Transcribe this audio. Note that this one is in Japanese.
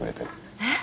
えっ。